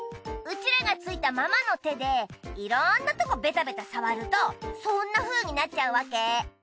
うちらがついたままの手でいろんなとこベタベタ触るとそんなふうになっちゃうわけ。